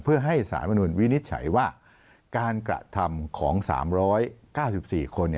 เพื่อให้สารมนุนวินิจฉัยว่าการกระทำของ๓๙๔คน